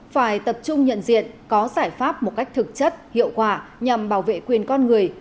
phải tập trung nhận diện có giải pháp một cách thực chất hiệu quả nhằm bảo vệ quyền con người